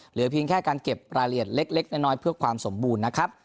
เหลือเพียงแค่การเก็บรายละเอียดเล็กน้อยเพื่อความสมบูรณ์นะครับ